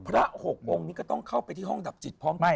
๖องค์นี้ก็ต้องเข้าไปที่ห้องดับจิตพร้อมกัน